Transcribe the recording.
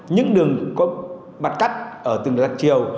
những đường có bật cắt từng đoạn chiều